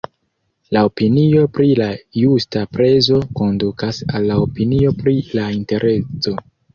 La opinio pri la justa prezo kondukas al la opinio pri la interezo.